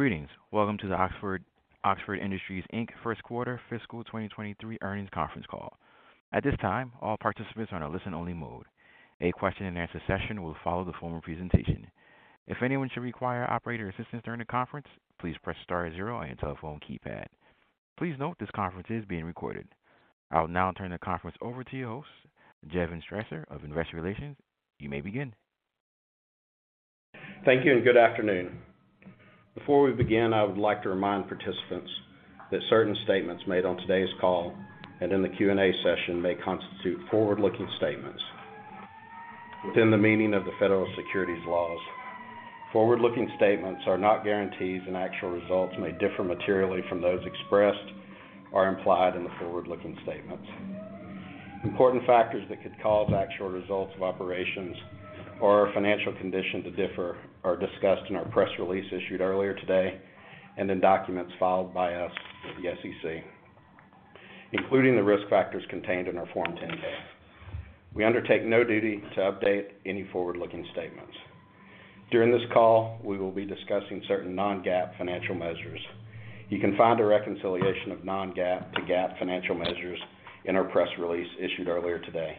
Greetings. Welcome to the Oxford Industries Inc. first quarter fiscal 2023 earnings conference call. At this time, all participants are on a listen-only mode. A question-and-answer session will follow the formal presentation. If anyone should require operator assistance during the conference, please press star zero on your telephone keypad. Please note this conference is being recorded. I will now turn the conference over to your host, Jevon Strasser, of Investor Relations. You may begin. Thank you. Good afternoon. Before we begin, I would like to remind participants that certain statements made on today's call and in the Q&A session may constitute forward-looking statements within the meaning of the federal securities laws. Forward-looking statements are not guarantees, and actual results may differ materially from those expressed or implied in the forward-looking statements. Important factors that could cause actual results of operations or our financial condition to differ are discussed in our press release issued earlier today and in documents filed by us with the SEC, including the risk factors contained in our Form 10-K. We undertake no duty to update any forward-looking statements. During this call, we will be discussing certain non-GAAP financial measures. You can find a reconciliation of non-GAAP to GAAP financial measures in our press release issued earlier today,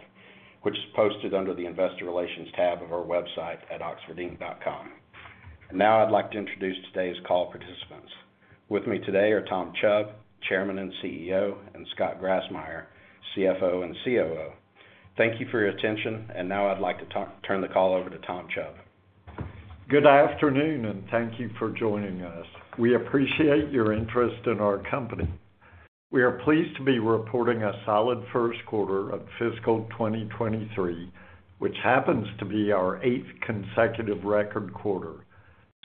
which is posted under the Investor Relations tab of our website at oxfordinc.com. Now I'd like to introduce today's call participants. With me today are Tom Chubb, Chairman and CEO, and Scott Grassmyer, CFO and COO. Thank you for your attention, now I'd like to turn the call over to Tom Chubb. Good afternoon. Thank you for joining us. We appreciate your interest in our company. We are pleased to be reporting a solid first quarter of fiscal 2023, which happens to be our eighth consecutive record quarter.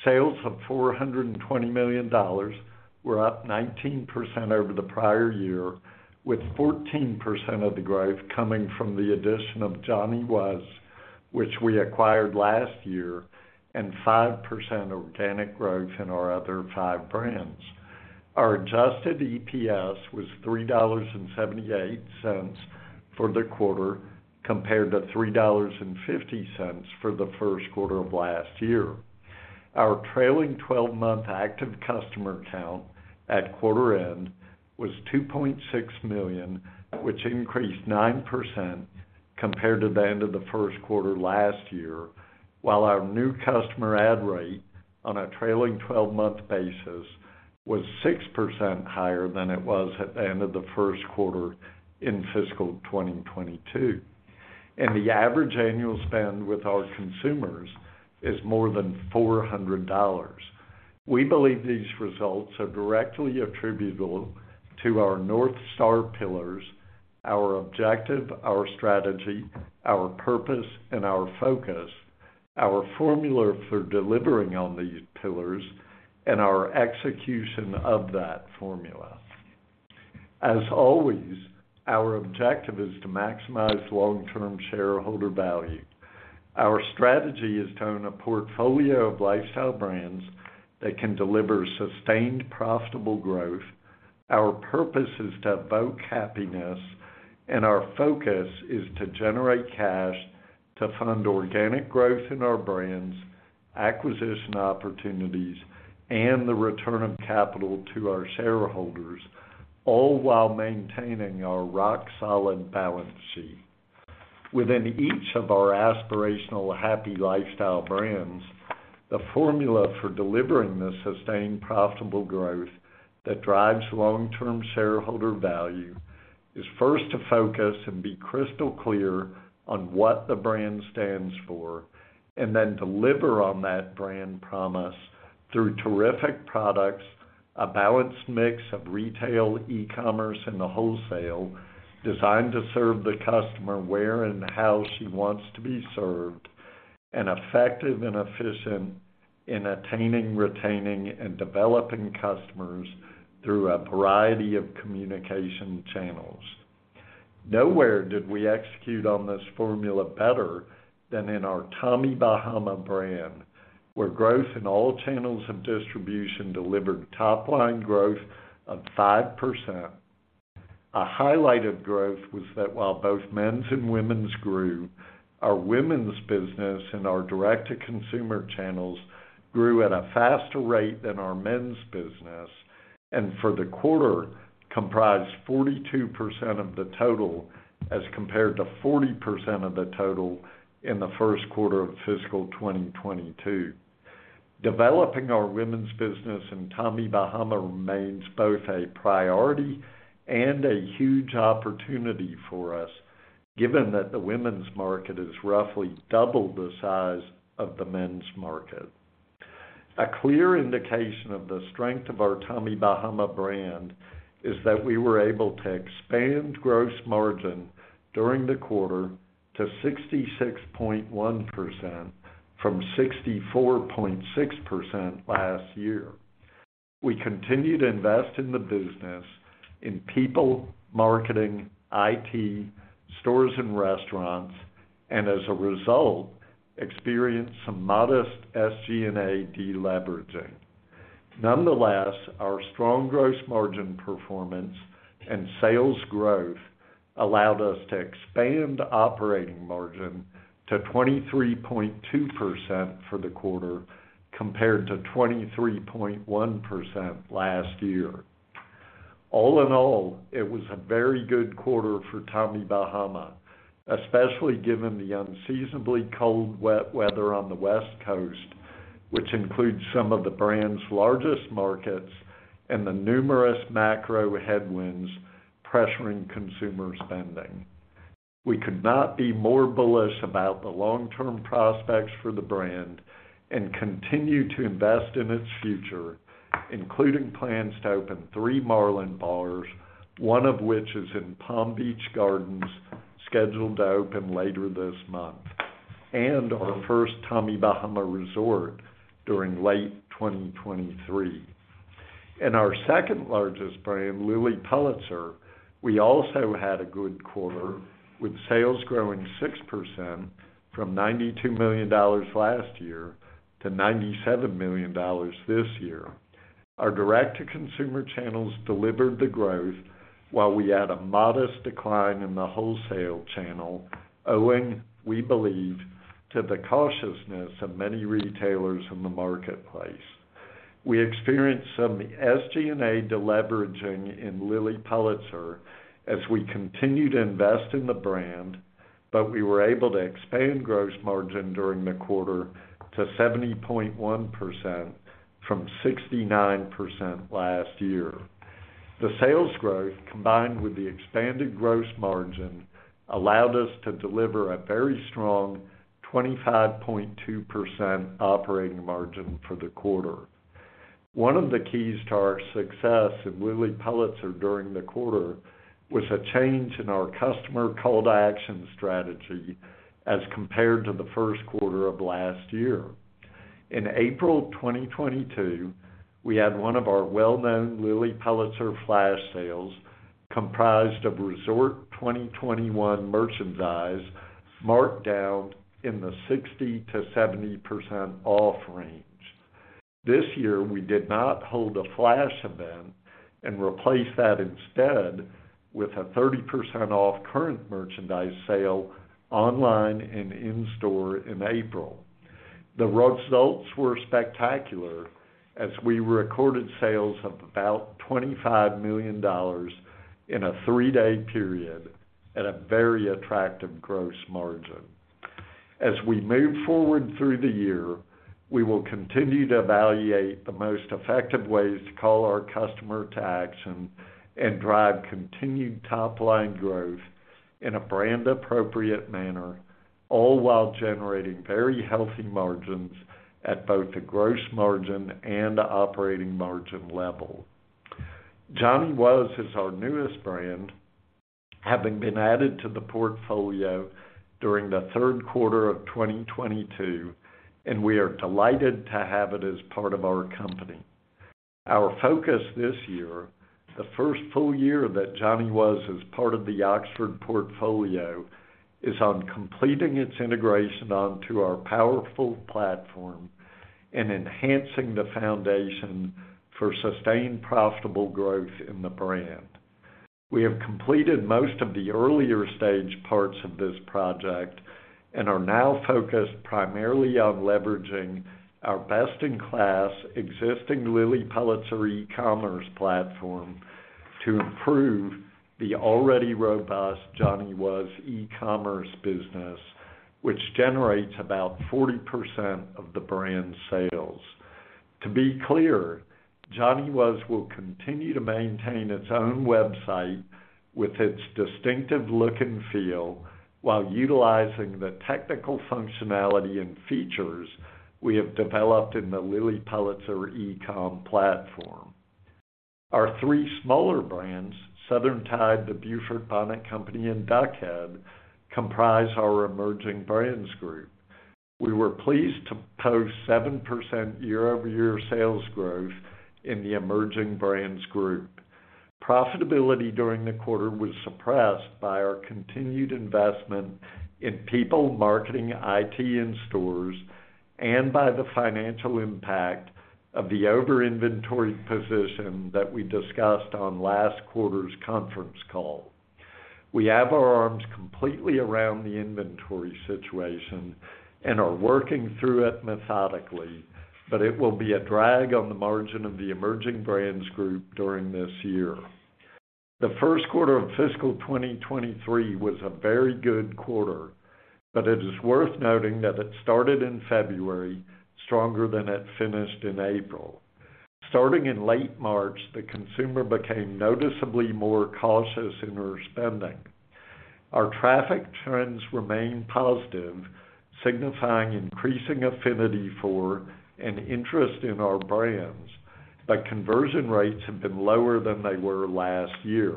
Sales of $420 million were up 19% over the prior year, with 14% of the growth coming from the addition of Johnny Was, which we acquired last year, and 5% organic growth in our other five brands. Our adjusted EPS was $3.78 for the quarter, compared to $3.50 for the first quarter of last year. Our trailing 12-month active customer count at quarter end was 2.6 million, which increased 9% compared to the end of the first quarter last year, while our new customer add rate on a trailing 12-month basis was 6% higher than it was at the end of the first quarter in fiscal 2022. The average annual spend with our consumers is more than $400. We believe these results are directly attributable to our North Star pillars, our objective, our strategy, our purpose, and our focus, our formula for delivering on these pillars, and our execution of that formula. As always, our objective is to maximize long-term shareholder value. Our strategy is to own a portfolio of lifestyle brands that can deliver sustained, profitable growth. Our purpose is to evoke happiness, and our focus is to generate cash to fund organic growth in our brands, acquisition opportunities, and the return of capital to our shareholders, all while maintaining our rock-solid balance sheet. Within each of our aspirational happy lifestyle brands, the formula for delivering the sustained, profitable growth that drives long-term shareholder value is first to focus and be crystal clear on what the brand stands for, and then deliver on that brand promise through terrific products, a balanced mix of retail, e-commerce, and wholesale, designed to serve the customer where and how she wants to be served, and effective and efficient in attaining, retaining, and developing customers through a variety of communication channels. Nowhere did we execute on this formula better than in our Tommy Bahama brand, where growth in all channels of distribution delivered top-line growth of 5%. A highlight of growth was that while both men's and women's grew, our women's business and our direct-to-consumer channels grew at a faster rate than our men's business, and for the quarter, comprised 42% of the total, as compared to 40% of the total in the first quarter of fiscal 2022. Developing our women's business in Tommy Bahama remains both a priority and a huge opportunity for us, given that the women's market is roughly double the size of the men's market. A clear indication of the strength of our Tommy Bahama brand is that we were able to expand gross margin during the quarter to 66.1% from 64.6% last year. We continued to invest in the business, in people, marketing, IT, stores and restaurants, and as a result, experienced some modest SG&A deleveraging. Our strong gross margin performance and sales growth allowed us to expand operating margin to 23.2% for the quarter, compared to 23.1% last year. All in all, it was a very good quarter for Tommy Bahama, especially given the unseasonably cold, wet weather on the West Coast, which includes some of the brand's largest markets and the numerous macro headwinds pressuring consumer spending. We could not be more bullish about the long-term prospects for the brand, continue to invest in its future, including plans to open three Marlin Bars, one of which is in Palm Beach Gardens, scheduled to open later this month, and our first Tommy Bahama resort during late 2023. In our second-largest brand, Lilly Pulitzer, we also had a good quarter, with sales growing 6% from $92 million last year to $97 million this year. Our direct-to-consumer channels delivered the growth, while we had a modest decline in the wholesale channel, owing, we believe, to the cautiousness of many retailers in the marketplace. We experienced some SG&A deleveraging in Lilly Pulitzer as we continue to invest in the brand, but we were able to expand gross margin during the quarter to 70.1% from 69% last year. The sales growth, combined with the expanded gross margin, allowed us to deliver a very strong 25.2% operating margin for the quarter. One of the keys to our success in Lilly Pulitzer during the quarter was a change in our customer call-to-action strategy as compared to the first quarter of last year. In April 2022, we had one of our well-known Lilly Pulitzer flash sales, comprised of Resort 2021 merchandise, marked down in the 60%-70% off range. This year, we did not hold a flash event, and replaced that instead with a 30% off current merchandise sale online and in-store in April. The results were spectacular, as we recorded sales of about $25 million in a three-day period at a very attractive gross margin. As we move forward through the year, we will continue to evaluate the most effective ways to call our customer to action and drive continued top-line growth in a brand-appropriate manner, all while generating very healthy margins at both the gross margin and operating margin level. Johnny Was is our newest brand, having been added to the portfolio during the third quarter of 2022, and we are delighted to have it as part of our company. Our focus this year, the first full year that Johnny Was is part of the Oxford portfolio, is on completing its integration onto our powerful platform and enhancing the foundation for sustained, profitable growth in the brand. We have completed most of the earlier stage parts of this project and are now focused primarily on leveraging our best-in-class existing Lilly Pulitzer e-commerce platform to improve the already robust Johnny Was e-commerce business, which generates about 40% of the brand's sales. To be clear, Johnny Was will continue to maintain its own website with its distinctive look and feel, while utilizing the technical functionality and features we have developed in the Lilly Pulitzer e-com platform. Our three smaller brands, Southern Tide, The Beaufort Bonnet Company, and Duck Head, comprise our Emerging Brands group. We were pleased to post 7% year-over-year sales growth in the Emerging Brands group. Profitability during the quarter was suppressed by our continued investment in people, marketing, IT, and stores, and by the financial impact of the over-inventory position that we discussed on last quarter's conference call. We have our arms completely around the inventory situation and are working through it methodically, but it will be a drag on the margin of the Emerging Brands group during this year. The first quarter of fiscal 2023 was a very good quarter, but it is worth noting that it started in February, stronger than it finished in April. Starting in late March, the consumer became noticeably more cautious in their spending. Our traffic trends remain positive, signifying increasing affinity for and interest in our brands, but conversion rates have been lower than they were last year.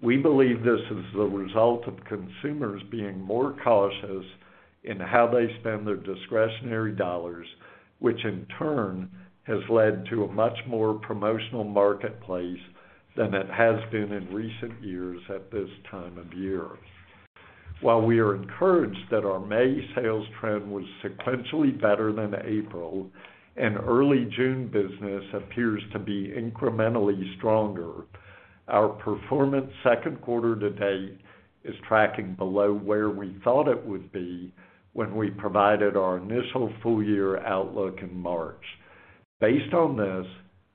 We believe this is the result of consumers being more cautious in how they spend their discretionary dollars, which in turn has led to a much more promotional marketplace than it has been in recent years at this time of year. While we are encouraged that our May sales trend was sequentially better than April, and early June business appears to be incrementally stronger, our performance second quarter-to-date is tracking below where we thought it would be when we provided our initial full year outlook in March. Based on this,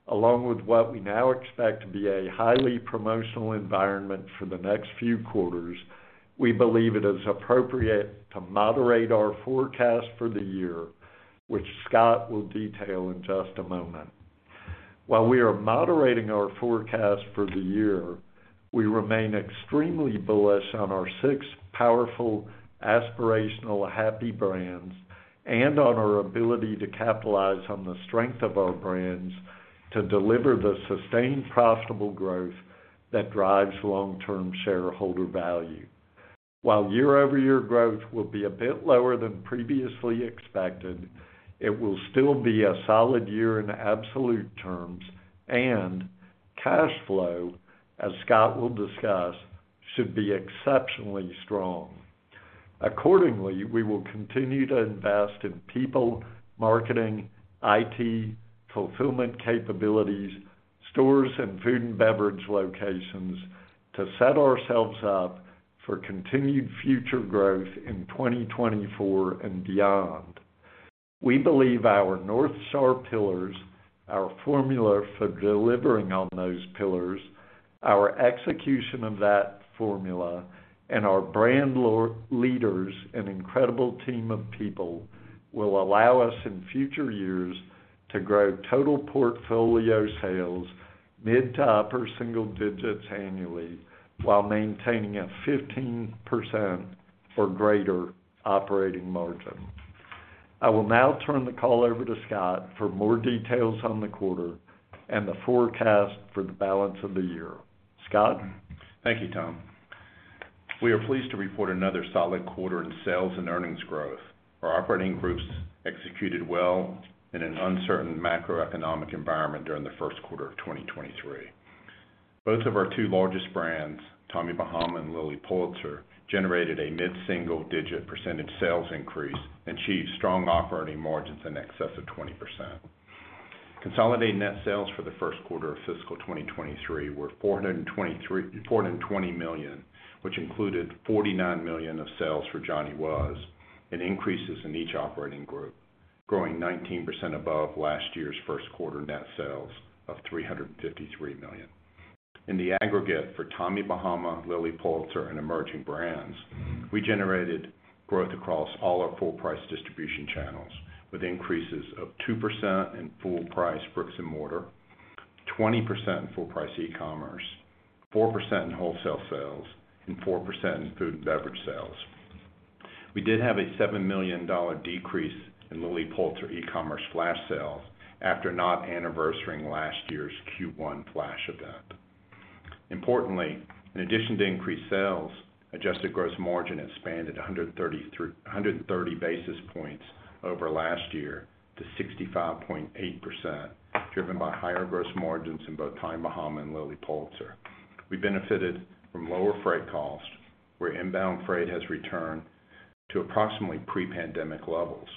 along with what we now expect to be a highly promotional environment for the next few quarters, we believe it is appropriate to moderate our forecast for the year, which Scott will detail in just a moment. While we are moderating our forecast for the year, we remain extremely bullish on our six powerful, aspirational, happy brands and on our ability to capitalize on the strength of our brands to deliver the sustained, profitable growth that drives long-term shareholder value. While year-over-year growth will be a bit lower than previously expected, it will still be a solid year in absolute terms, and cash flow, as Scott will discuss, should be exceptionally strong. Accordingly, we will continue to invest in people, marketing, IT, fulfillment capabilities, stores, and food and beverage locations to set ourselves up for continued future growth in 2024 and beyond. We believe our North Star pillars, our formula for delivering on those pillars, our execution of that formula, and our brand leaders, an incredible team of people, will allow us in future years to grow total portfolio sales mid to upper single digits annually, while maintaining a 15% or greater operating margin. I will now turn the call over to Scott for more details on the quarter and the forecast for the balance of the year. Scott? Thank you, Tom. We are pleased to report another solid quarter in sales and earnings growth. Our operating groups executed well in an uncertain macroeconomic environment during the first quarter of 2023. Both of our two largest brands, Tommy Bahama and Lilly Pulitzer, generated a mid-single digit percentage sales increase, achieved strong operating margins in excess of 20%. Consolidating net sales for the first quarter of fiscal 2023 were $420 million, which included $49 million of sales for Johnny Was, and increases in each operating group, growing 19% above last year's first quarter net sales of $353 million. In the aggregate for Tommy Bahama, Lilly Pulitzer, and Emerging Brands, we generated growth across all our full price distribution channels, with increases of 2% in full price bricks and mortar, 20% in full price e-commerce, 4% in wholesale sales, and 4% in food and beverage sales. We did have a $7 million decrease in Lilly Pulitzer e-commerce flash sales after not anniversarying last year's Q1 flash event. Importantly, in addition to increased sales, adjusted gross margin expanded 130 basis points over last year to 65.8%, driven by higher gross margins in both Tommy Bahama and Lilly Pulitzer. We benefited from lower freight costs, where inbound freight has returned to approximately pre-pandemic levels.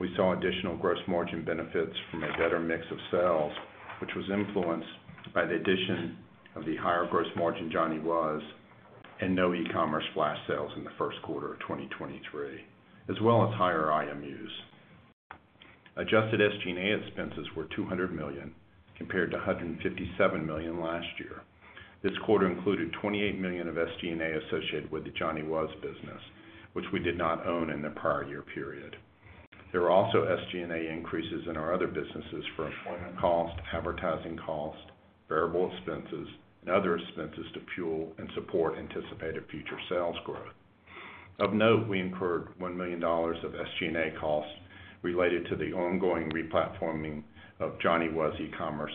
We saw additional gross margin benefits from a better mix of sales, which was influenced by the addition of the higher gross margin, Johnny Was, and no e-commerce flash sales in the first quarter of 2023, as well as higher IMUs. Adjusted SG&A expenses were $200 million, compared to $157 million last year. This quarter included $28 million of SG&A associated with the Johnny Was business, which we did not own in the prior year period. There were also SG&A increases in our other businesses for employment costs, advertising costs, variable expenses, and other expenses to fuel and support anticipated future sales growth. Of note, we incurred $1 million of SG&A costs related to the ongoing replatforming of Johnny Was e-commerce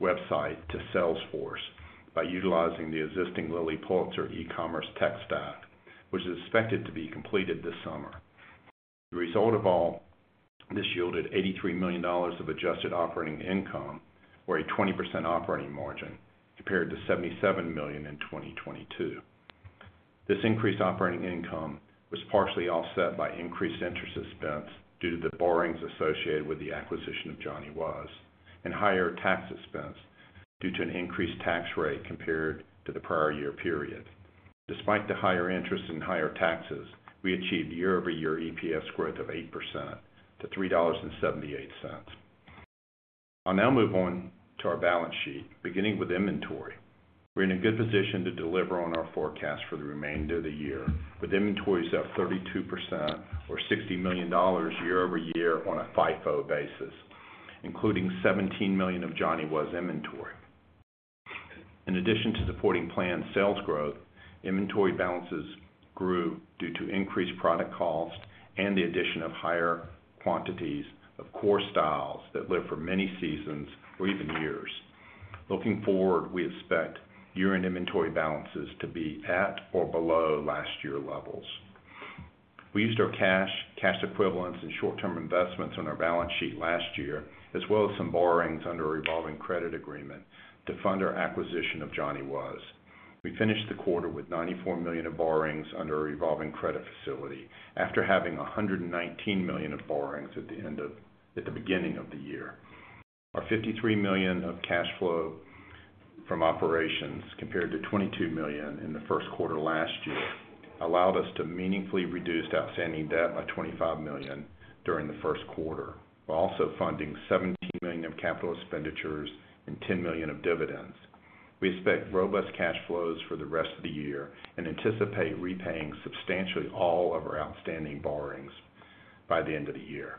website to Salesforce by utilizing the existing Lilly Pulitzer e-commerce tech stack, which is expected to be completed this summer. The result of all this yielded $83 million of adjusted operating income, or a 20% operating margin, compared to $77 million in 2022. This increased operating income was partially offset by increased interest expense due to the borrowings associated with the acquisition of Johnny Was, and higher tax expense due to an increased tax rate compared to the prior year period. Despite the higher interest and higher taxes, we achieved year-over-year EPS growth of 8% to $3.78. I'll now move on to our balance sheet, beginning with inventory. We're in a good position to deliver on our forecast for the remainder of the year, with inventories up 32% or $60 million year-over-year on a FIFO basis, including $17 million of Johnny Was inventory. In addition to supporting planned sales growth, inventory balances grew due to increased product costs and the addition of higher quantities of core styles that live for many seasons or even years. Looking forward, we expect year-end inventory balances to be at or below last year levels. We used our cash equivalents, and short-term investments on our balance sheet last year, as well as some borrowings under a revolving credit agreement to fund our acquisition of Johnny Was. We finished the quarter with $94 million of borrowings under a revolving credit facility, after having $119 million of borrowings at the beginning of the year. Our $53 million of cash flow from operations, compared to $22 million in the first quarter last year, allowed us to meaningfully reduce outstanding debt by $25 million during the first quarter, while also funding $17 million of CapEx and $10 million of dividends. We expect robust cash flows for the rest of the year and anticipate repaying substantially all of our outstanding borrowings by the end of the year.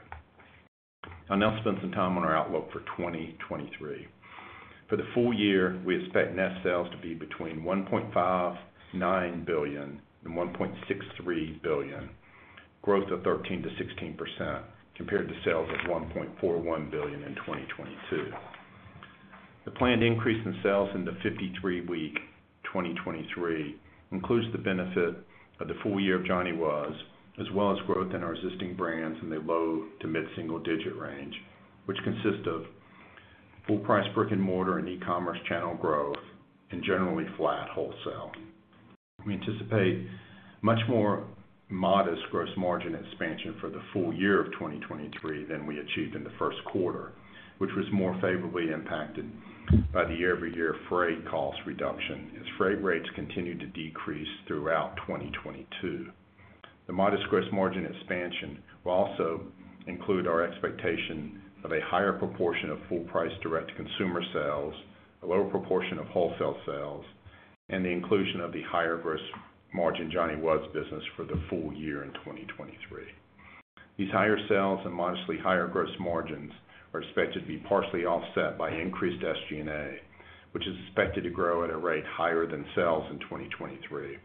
I'll now spend some time on our outlook for 2023. For the full year, we expect net sales to be between $1.59 billion and $1.63 billion, growth of 13%-16% compared to sales of $1.41 billion in 2022. The planned increase in sales in the 53-week 2023 includes the benefit of the full year of Johnny Was, as well as growth in our existing brands in the low to mid-single-digit range, which consist of full-price brick-and-mortar and e-commerce channel growth and generally flat wholesale. We anticipate much more modest gross margin expansion for the full year of 2023 than we achieved in the first quarter, which was more favorably impacted by the year-over-year freight cost reduction, as freight rates continued to decrease throughout 2022. The modest gross margin expansion will also include our expectation of a higher proportion of full-price direct-to-consumer sales, a lower proportion of wholesale sales, and the inclusion of the higher gross margin Johnny Was business for the full year in 2023. These higher sales and modestly higher gross margins are expected to be partially offset by increased SG&A, which is expected to grow at a rate higher than sales in 2023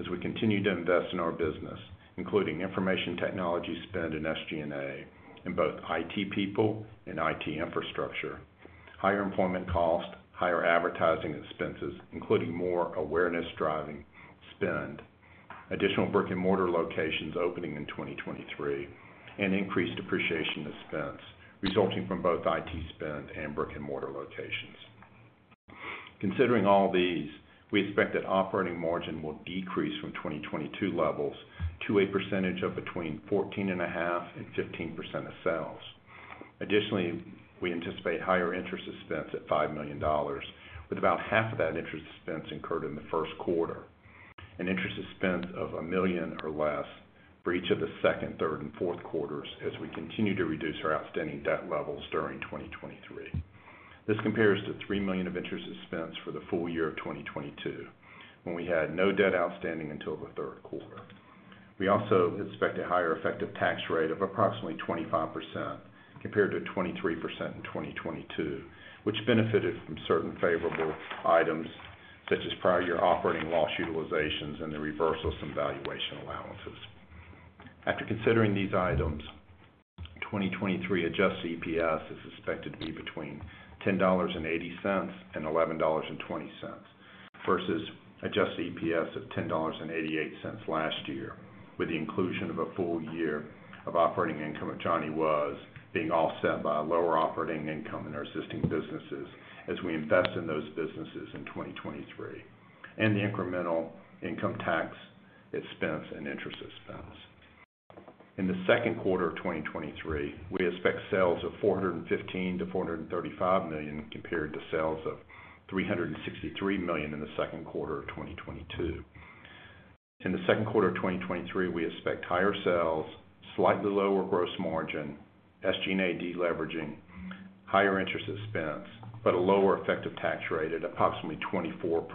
as we continue to invest in our business, including information technology spend and SG&A in both IT people and IT infrastructure, higher employment costs, higher advertising expenses, including more awareness-driving spend, additional brick-and-mortar locations opening in 2023, and increased depreciation expense resulting from both IT spend and brick-and-mortar locations. Considering all these, we expect that operating margin will decrease from 2022 levels to a percentage of between 14.5% and 15% of sales. We anticipate higher interest expense at $5 million, with about half of that interest expense incurred in the first quarter, and interest expense of $1 million or less for each of the second, third, and fourth quarters as we continue to reduce our outstanding debt levels during 2023. This compares to $3 million of interest expense for the full year of 2022, when we had no debt outstanding until the third quarter. We also expect a higher effective tax rate of approximately 25%, compared to 23% in 2022, which benefited from certain favorable items, such as prior year operating loss utilizations and the reversal of some valuation allowances. After considering these items, 2023 adjusted EPS is expected to be between $10.80 and $11.20, versus adjusted EPS of $10.88 last year, with the inclusion of a full year of operating income at Johnny Was, being offset by a lower operating income in our existing businesses as we invest in those businesses in 2023, and the incremental income tax expense and interest expense. In the second quarter of 2023, we expect sales of $415 million-$435 million, compared to sales of $363 million in the second quarter of 2022. In the second quarter of 2023, we expect higher sales, slightly lower gross margin, SG&A deleveraging, higher interest expense, but a lower effective tax rate at approximately 24%,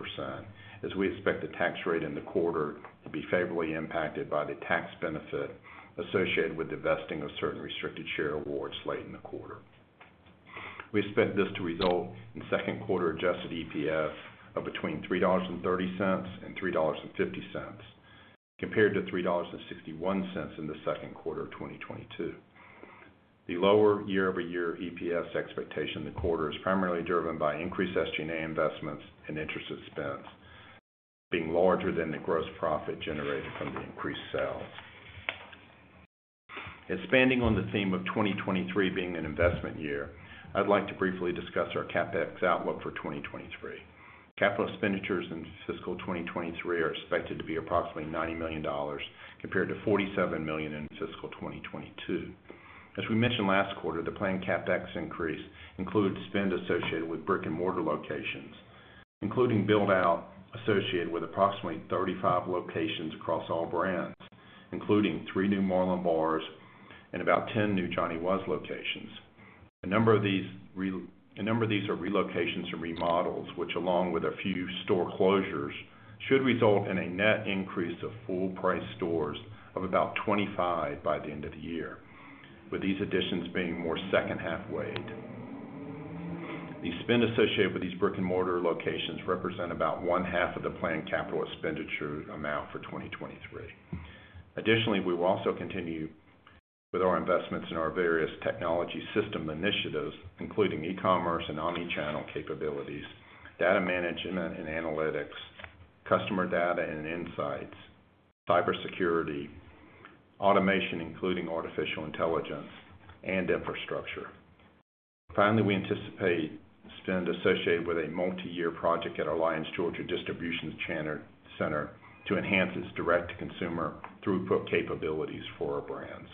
as we expect the tax rate in the quarter to be favorably impacted by the tax benefit associated with the vesting of certain restricted share awards late in the quarter. We expect this to result in second quarter adjusted EPS of between $3.30 and $3.50, compared to $3.61 in the second quarter of 2022. The lower year-over-year EPS expectation in the quarter is primarily driven by increased SG&A investments and interest expense, being larger than the gross profit generated from the increased sales. Expanding on the theme of 2023 being an investment year, I'd like to briefly discuss our CapEx outlook for 2023. Capital expenditures in fiscal 2023 are expected to be approximately $90 million, compared to $47 million in fiscal 2022. As we mentioned last quarter, the planned CapEx increase includes spend associated with brick-and-mortar locations, including build-out associated with approximately 35 locations across all brands, including three new Marlin Bars and about 10 new Johnny Was locations. A number of these are relocations and remodels, which, along with a few store closures, should result in a net increase of full-price stores of about 25 by the end of the year, with these additions being more second-half weighed. The spend associated with these brick-and-mortar locations represent about one half of the planned capital expenditure amount for 2023. Additionally, we will also. with our investments in our various technology system initiatives, including e-commerce and omni-channel capabilities, data management and analytics, customer data and insights, cybersecurity, automation, including artificial intelligence, and infrastructure. Finally, we anticipate spend associated with a multi-year project at Alliance Georgia Distribution Channel Center to enhance its direct-to-consumer throughput capabilities for our brands.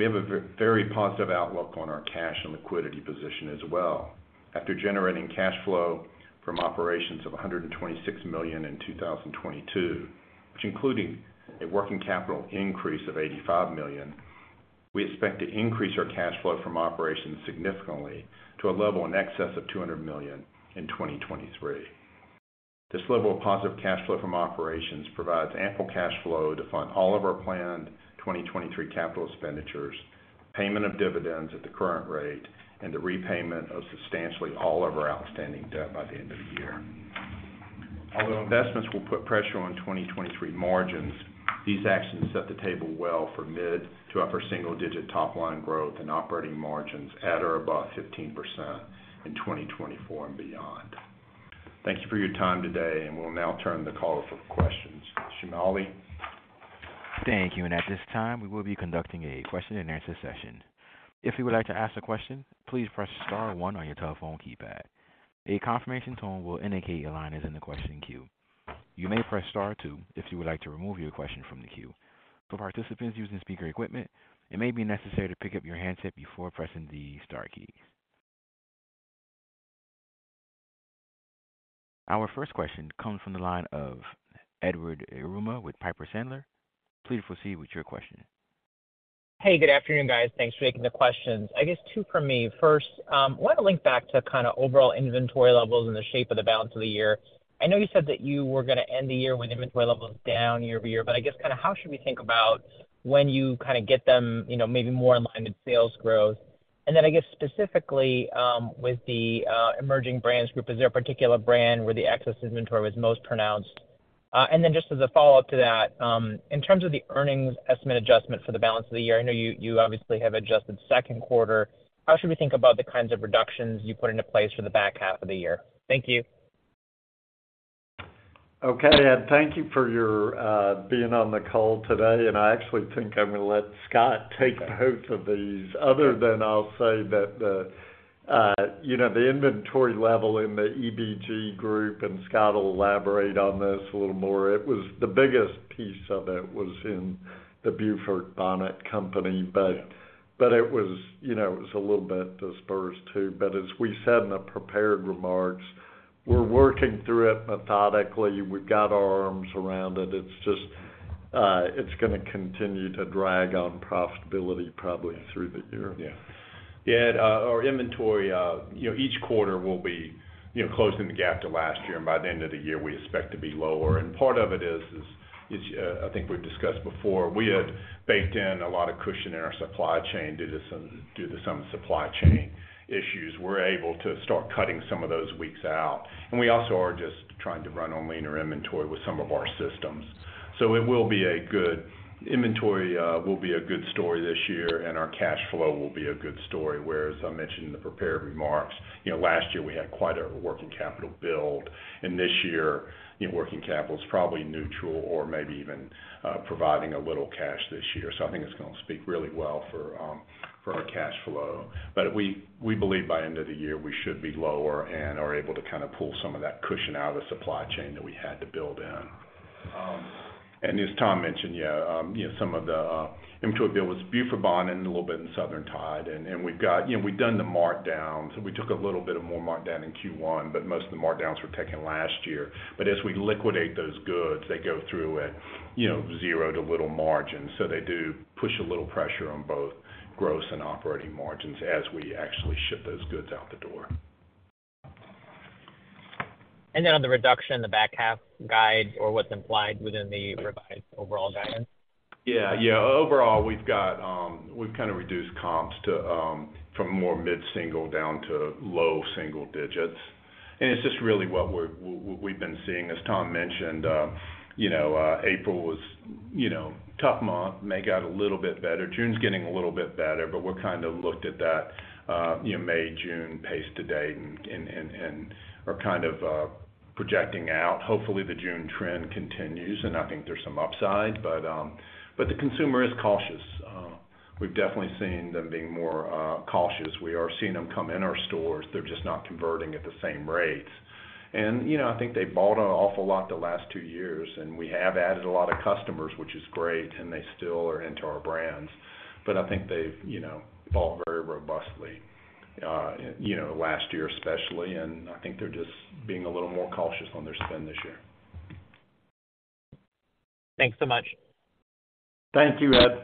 We have a very positive outlook on our cash and liquidity position as well. After generating cash flow from operations of $126 million in 2022, which including a working capital increase of $85 million, we expect to increase our cash flow from operations significantly to a level in excess of $200 million in 2023. This level of positive cash flow from operations provides ample cash flow to fund all of our planned 2023 CapEx, payment of dividends at the current rate, and the repayment of substantially all of our outstanding debt by the end of the year. Although investments will put pressure on 2023 margins, these actions set the table well for mid- to upper-single-digit top line growth and operating margins at or above 15% in 2024 and beyond. Thank you for your time today, and we'll now turn the call for questions. Shimali? Thank you. At this time, we will be conducting a question-and-answer session. If you would like to ask a question, please press star one on your telephone keypad. A confirmation tone will indicate your line is in the question queue. You may press star two if you would like to remove your question from the queue. For participants using speaker equipment, it may be necessary to pick up your handset before pressing the star key. Our first question comes from the line of Edward Yruma with Piper Sandler. Please proceed with your question. Hey, good afternoon, guys. Thanks for taking the questions. I guess two for me. First, I want to link back to kind of overall inventory levels and the shape of the balance of the year. I know you said that you were going to end the year with inventory levels down year-over-year, but I guess kind of how should we think about when you kind of get them, you know, maybe more in line with sales growth? I guess, specifically, with the Emerging Brands group, is there a particular brand where the excess inventory was most pronounced? Just as a follow-up to that, in terms of the earnings estimate adjustment for the balance of the year, I know you obviously have adjusted second quarter. How should we think about the kinds of reductions you put into place for the back half of the year? Thank you. Okay, Ed, thank you for your being on the call today, and I actually think I'm going to let Scott take both of these. Other than I'll say that the, you know, the inventory level in the EBG group, and Scott will elaborate on this a little more, it was the biggest piece of it was in The Beaufort Bonnet Company. It was, you know, it was a little bit dispersed, too. As we said in the prepared remarks, we're working through it methodically. We've got our arms around it. It's just, it's going to continue to drag on profitability probably through the year. Yeah. Yeah, Ed, our inventory, you know, each quarter will be, you know, closing the gap to last year, and by the end of the year, we expect to be lower. Part of it is, I think we've discussed before, we had baked in a lot of cushion in our supply chain, due to some supply chain issues. We're able to start cutting some of those weeks out, and we also are just trying to run on leaner inventory with some of our systems. It will be a good... Inventory will be a good story this year, and our cash flow will be a good story, whereas I mentioned in the prepared remarks, you know, last year we had quite a working capital build, and this year, working capital is probably neutral or maybe even providing a little cash this year. I think it's going to speak really well for our cash flow. We, we believe by end of the year, we should be lower and are able to kind of pull some of that cushion out of the supply chain that we had to build in. As Tom mentioned, you know, some of the inventory build was Beaufort Bonnet and a little bit in Southern Tide. We've got you know, we've done the markdowns, and we took a little bit of more markdown in Q1, but most of the markdowns were taken last year. As we liquidate those goods, they go through at, you know, zero to little margins. They do push a little pressure on both gross and operating margins as we actually ship those goods out the door. On the reduction in the back half guide or what's implied within the revised overall guidance? Yeah, yeah. Overall, we've got, we've kind of reduced comps to, from more mid-single down to low single digits. It's just really what we've been seeing. As Tom mentioned, you know, April was, you know, tough month, May got a little bit better. June's getting a little bit better, but we're kind of looked at that, you know, May, June pace to date and are kind of projecting out. Hopefully, the June trend continues, and I think there's some upside. The consumer is cautious. We've definitely seen them being more cautious. We are seeing them come in our stores. They're just not converting at the same rates. You know, I think they bought an awful lot the last 2 years, and we have added a lot of customers, which is great, and they still are into our brands. I think they've, you know, bought very robustly, you know, last year especially, and I think they're just being a little more cautious on their spend this year. Thanks so much. Thank you, Ed.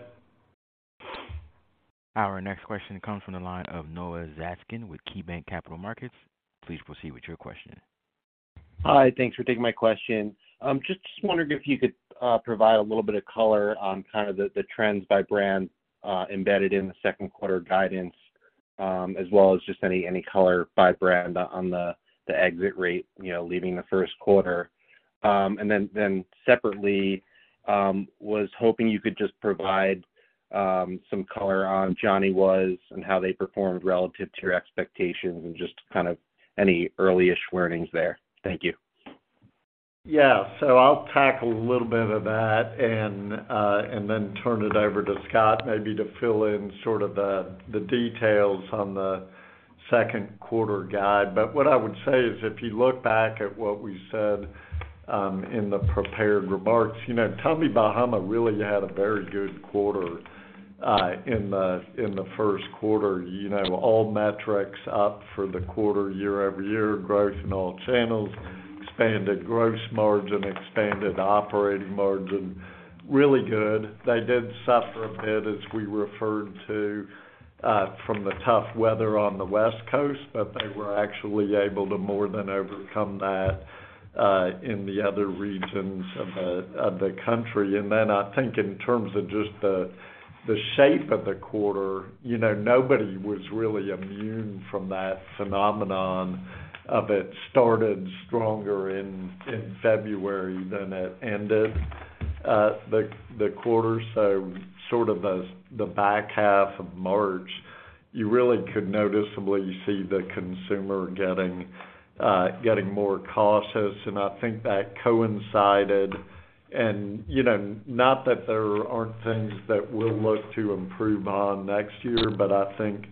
Our next question comes from the line of Noah Zatzkin with KeyBanc Capital Markets. Please proceed with your question. Hi, thanks for taking my question. Just wondering if you could provide a little bit of color on kind of the trends by brand embedded in the second quarter guidance, as well as just any color by brand on the exit rate, you know, leaving the first quarter? Then separately, was hoping you could just provide some color on Johnny Was and how they performed relative to your expectations, and just kind of any early-ish warnings there. Thank you. I'll tackle a little bit of that and then turn it over to Scott, maybe to fill in sort of the details on the second quarter guide. What I would say is, if you look back at what we said, in the prepared remarks, you know, Tommy Bahama really had a very good quarter, in the first quarter. You know, all metrics up for the quarter, year-over-year growth in all channels, expanded gross margin, expanded operating margin, really good. They did suffer a bit, as we referred to, from the tough weather on the West Coast, but they were actually able to more than overcome that, in the other regions of the country. I think in terms of just the shape of the quarter, you know, nobody was really immune from that phenomenon of it started stronger in February than it ended, the quarter. Sort of the back half of March, you really could noticeably see the consumer getting more cautious. I think that coincided and, you know, not that there aren't things that we'll look to improve on next year, but I think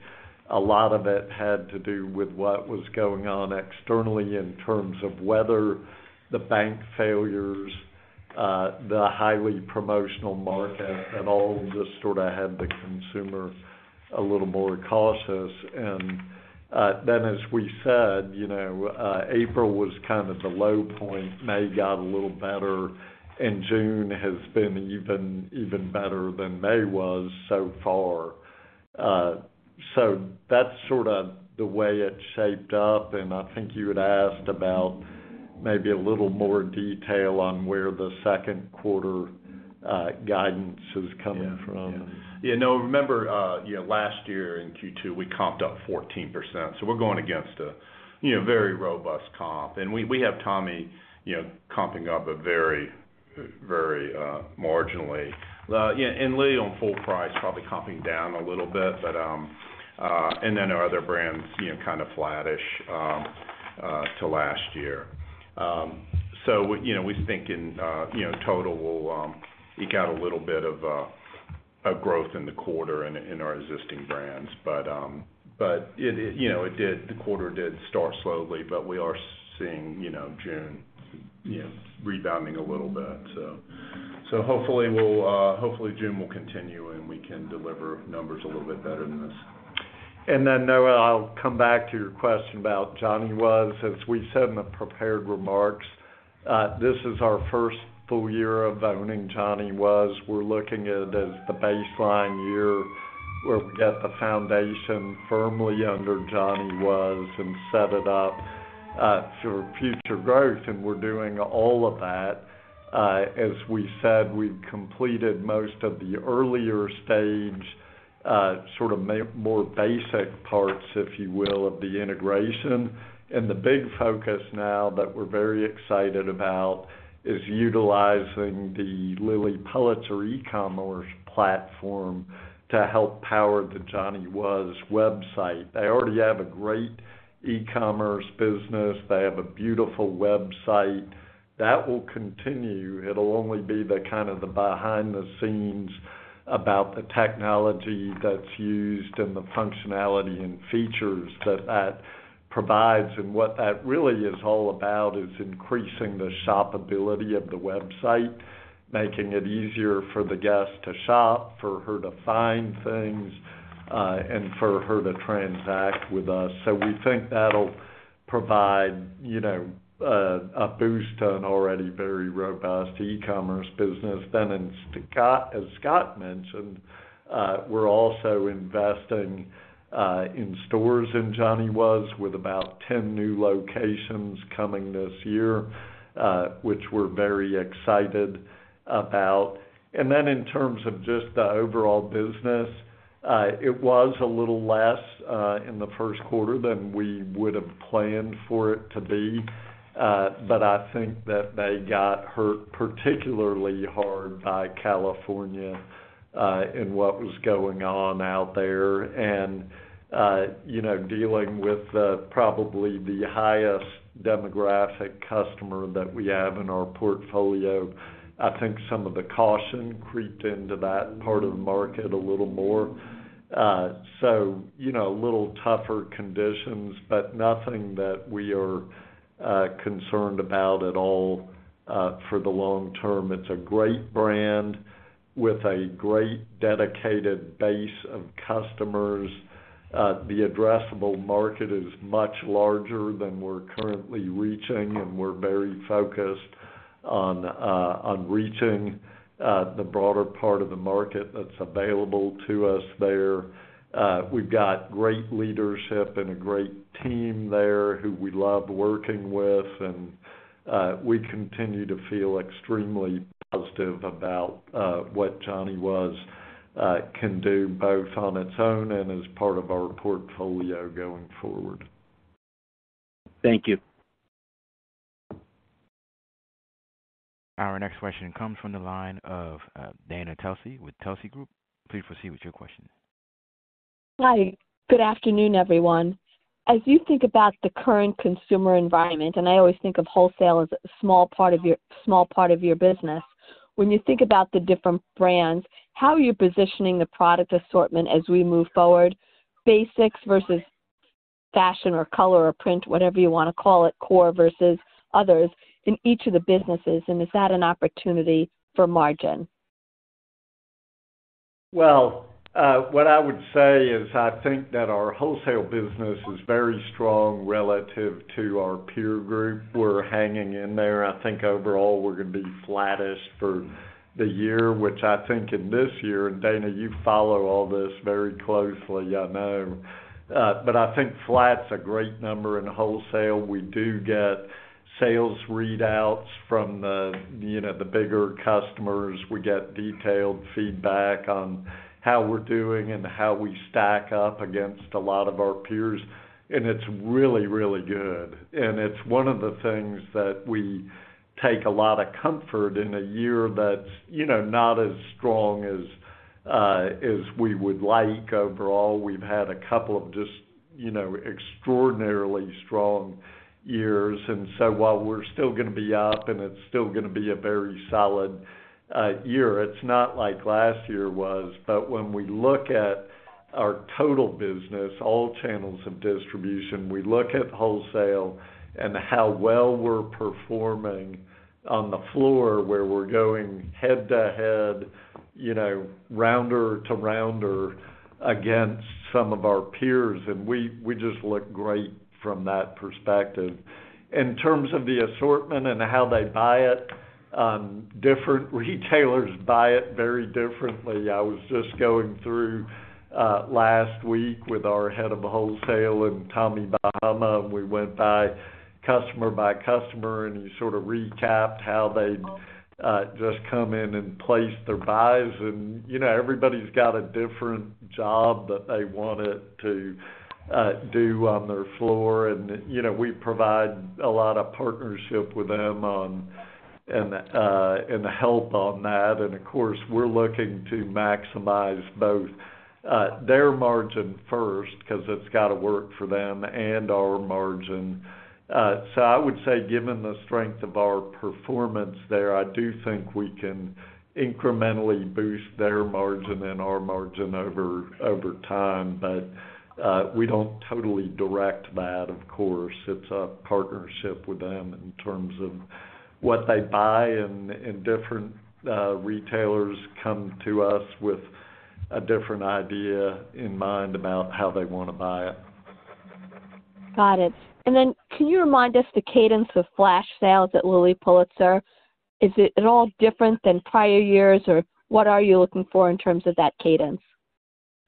a lot of it had to do with what was going on externally in terms of weather, the bank failures, the highly promotional market, and all of this sort of had the consumer a little more cautious. Then, as we said, you know, April was kind of the low point. May got a little better. June has been even better than May was so far. That's sort of the way it shaped up. I think you had asked about maybe a little more detail on where the second quarter guidance is coming from. Yeah. Yeah. You know, remember, you know, last year in Q2, we comped up 14%, so we're going against a, you know, very robust comp. We have Tommy, you know, comping up a very, very, marginally. Yeah, and Lilly, on full price, probably comping down a little bit. And then our other brands, you know, kind of flattish, to last year. You know, we think in, you know, total, we'll, eke out a little bit of growth in the quarter in our existing brands. It, you know, the quarter did start slowly, but we are seeing, you know, June, you know, rebounding a little bit. Hopefully, we'll, hopefully, June will continue, and we can deliver numbers a little bit better than this. Noah, I'll come back to your question about Johnny Was. As we said in the prepared remarks, this is our first full year of owning Johnny Was. We're looking at it as the baseline year, where we get the foundation firmly under Johnny Was and set it up for future growth, and we're doing all of that. As we said, we've completed most of the earlier stage, sort of more basic parts, if you will, of the integration. The big focus now that we're very excited about is utilizing the Lilly Pulitzer e-commerce platform to help power the Johnny Was website. They already have a great e-commerce business. They have a beautiful website. That will continue. It'll only be the kind of the behind the scenes about the technology that's used and the functionality and features that that provides, and what that really is all about is increasing the shoppability of the website, making it easier for the guest to shop, for her to find things, and for her to transact with us. We think that'll provide, you know, a boost to an already very robust e-commerce business. As Scott mentioned, we're also investing in stores in Johnny Was, with about 10 new locations coming this year, which we're very excited about. In terms of just the overall business, it was a little less in the first quarter than we would have planned for it to be. I think that they got hurt particularly hard by California, and what was going on out there. You know, dealing with probably the highest demographic customer that we have in our portfolio, I think some of the caution creeped into that part of the market a little more. You know, a little tougher conditions, but nothing that we are concerned about at all for the long term. It's a great brand with a great dedicated base of customers. The addressable market is much larger than we're currently reaching, and we're very focused on reaching the broader part of the market that's available to us there. We've got great leadership and a great team there who we love working with, and we continue to feel extremely positive about what Johnny Was... Can do both on its own and as part of our portfolio going forward. Thank you. Our next question comes from the line of Dana Telsey with Telsey Group. Please proceed with your question. Hi, good afternoon, everyone. As you think about the current consumer environment, I always think of wholesale as a small part of your business. When you think about the different brands, how are you positioning the product assortment as we move forward? Basics versus fashion or color or print, whatever you want to call it, core versus others in each of the businesses. Is that an opportunity for margin? What I would say is I think that our wholesale business is very strong relative to our peer group. We're hanging in there. I think overall, we're going to be flattest for the year, which I think in this year, Dana, you follow all this very closely, I know. I think flat's a great number in wholesale. We do get sales readouts from the, you know, the bigger customers. We get detailed feedback on how we're doing and how we stack up against a lot of our peers, and it's really, really good. It's one of the things that we take a lot of comfort in a year that's, you know, not as strong as we would like overall. We've had a couple of just, you know, extraordinarily strong years. While we're still gonna be up and it's still gonna be a very solid year, it's not like last year was. When we look at our total business, all channels of distribution, we look at wholesale and how well we're performing on the floor, where we're going head-to-head, you know, rounder to rounder against some of our peers, and we just look great from that perspective. In terms of the assortment and how they buy it, different retailers buy it very differently. I was just going through last week with our head of wholesale and Tommy Bahama, and we went by customer by customer, and he sort of recapped how they'd just come in and place their buys. You know, everybody's got a different job that they wanted to do on their floor. You know, we provide a lot of partnership with them on, and the help on that. Of course, we're looking to maximize both, their margin first, because it's got to work for them, and our margin. I would say, given the strength of our performance there, I do think we can incrementally boost their margin and our margin over time. We don't totally direct that, of course. It's a partnership with them in terms of what they buy and different retailers come to us with a different idea in mind about how they want to buy it. Got it. Then can you remind us the cadence of flash sales at Lilly Pulitzer? Is it at all different than prior years, or what are you looking for in terms of that cadence?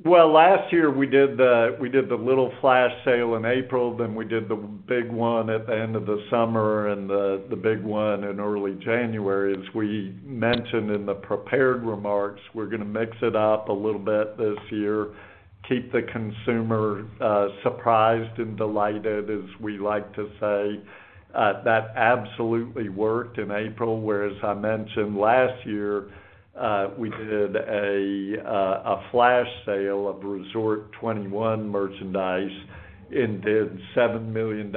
Well, last year we did the little flash sale in April, then we did the big one at the end of the summer and the big one in early January. We mentioned in the prepared remarks, we're gonna mix it up a little bit this year, keep the consumer surprised and delighted, as we like to say. That absolutely worked in April, where, as I mentioned last year, we did a flash sale of Resort 21 merchandise and did $7 million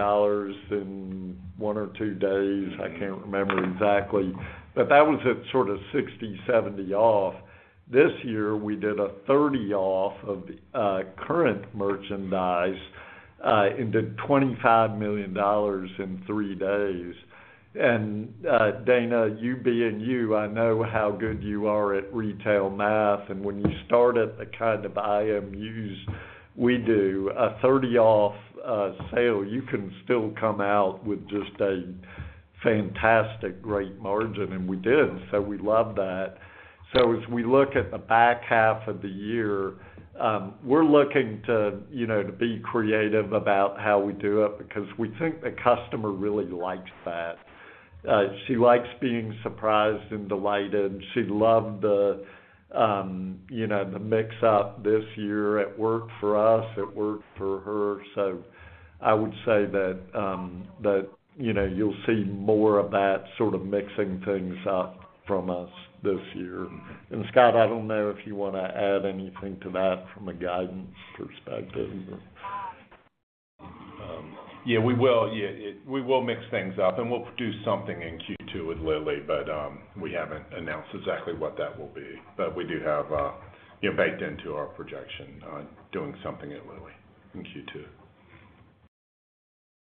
in one or two days, I can't remember exactly, but that was at sort of 60%, 70% off. This year, we did a 30% off of current merchandise and did $25 million in three days. Dana, you being you, I know how good you are at retail math. When you start at the kind of IMUs we do, a 30% off sale, you can still come out with just a fantastic, great margin. We did, so we love that. As we look at the back half of the year, we're looking to, you know, to be creative about how we do it, because we think the customer really likes that. She likes being surprised and delighted. She loved the, you know, the mix up this year. It worked for us, it worked for her. I would say that, you know, you'll see more of that sort of mixing things up from us this year. Scott, I don't know if you want to add anything to that from a guidance perspective? Yeah, we will. Yeah, we will mix things up, and we'll do something in Q2 with Lilly, but we haven't announced exactly what that will be. We do have baked into our projection on doing something at Lilly in Q2.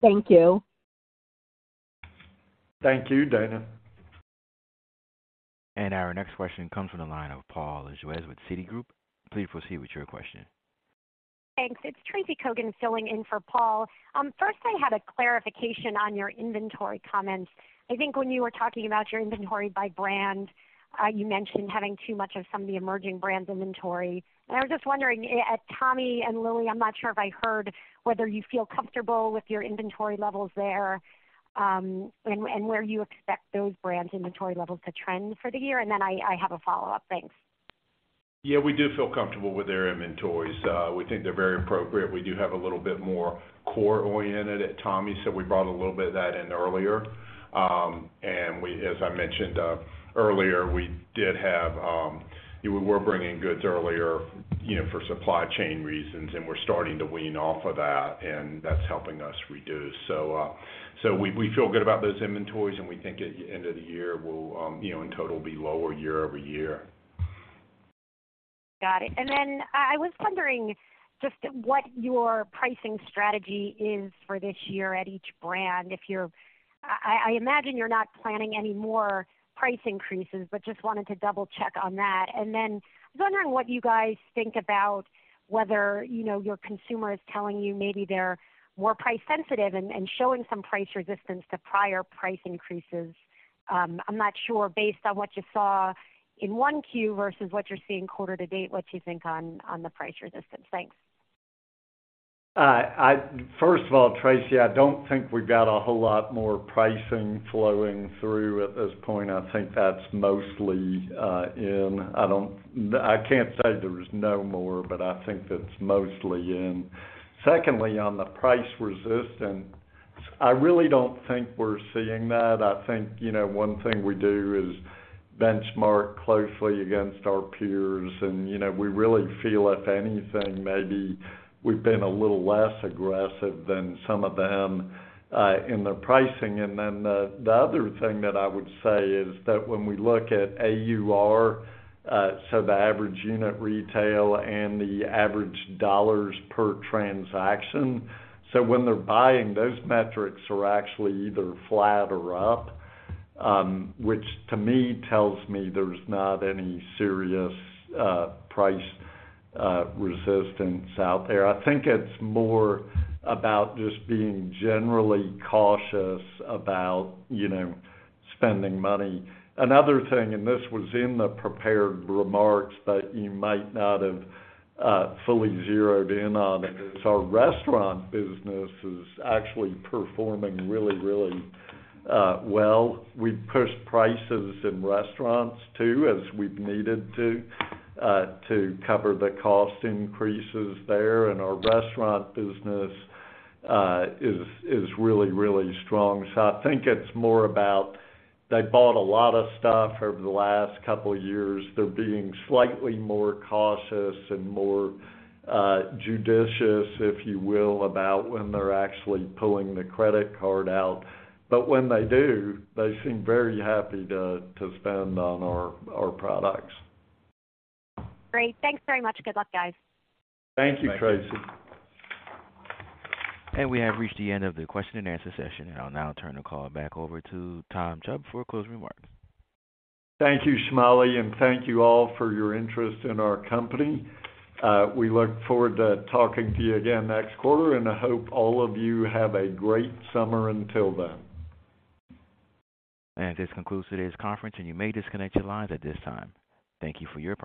Thank you. Thank you, Dana. Our next question comes from the line of Paul Lejuez with Citigroup. Please proceed with your question. Thanks. It's Tracy Kogan filling in for Paul. First, I had a clarification on your inventory comments. I think when you were talking about your inventory by brand, you mentioned having too much of some of the emerging brands inventory. I was just wondering, at Tommy and Lilly, I'm not sure if I heard whether you feel comfortable with your inventory levels there, and where you expect those brands' inventory levels to trend for the year. I have a follow-up. Thanks. Yeah, we do feel comfortable with their inventories. We think they're very appropriate. We do have a little bit more core-oriented at Tommy, so we brought a little bit of that in earlier. We as I mentioned earlier, we did have, we were bringing goods earlier, you know, for supply chain reasons, and we're starting to wean off of that, and that's helping us reduce. So we feel good about those inventories, and we think at the end of the year, we'll, you know, in total, be lower year-over-year. Got it. I was wondering just what your pricing strategy is for this year at each brand. I imagine you're not planning any more price increases, but just wanted to double-check on that. I was wondering what you guys think about whether, you know, your consumer is telling you maybe they're more price sensitive and showing some price resistance to prior price increases. I'm not sure, based on what you saw in 1Q versus what you're seeing quarter to date, what you think on the price resistance. Thanks. First of all, Tracy, I don't think we've got a whole lot more pricing flowing through at this point. I think that's mostly in. I can't say there's no more, but I think that's mostly in. Secondly, on the price resistance, I really don't think we're seeing that. I think, you know, one thing we do is benchmark closely against our peers, and, you know, we really feel, if anything, maybe we've been a little less aggressive than some of them in the pricing. The other thing that I would say is that when we look at AUR, so the average unit retail and the average dollars per transaction, so when they're buying, those metrics are actually either flat or up, which, to me, tells me there's not any serious price resistance out there. I think it's more about just being generally cautious about, you know, spending money. Another thing, and this was in the prepared remarks, but you might not have fully zeroed in on, is our restaurant business is actually performing really, really well. We've pushed prices in restaurants, too, as we've needed to to cover the cost increases there, and our restaurant business is really, really strong. I think it's more about they bought a lot of stuff over the last couple of years. They're being slightly more cautious and more judicious, if you will, about when they're actually pulling the credit card out. But when they do, they seem very happy to spend on our products. Great. Thanks very much. Good luck, guys. Thank you, Tracy. We have reached the end of the question-and-answer session. I'll now turn the call back over to Tom Chubb for closing remarks. Thank you, Shimali, and thank you all for your interest in our company. We look forward to talking to you again next quarter, and I hope all of you have a great summer until then. This concludes today's conference, and you may disconnect your lines at this time. Thank you for your participation.